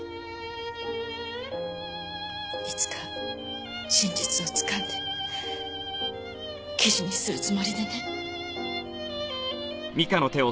いつか真実をつかんで記事にするつもりでね。